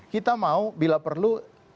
kita mau bila perlu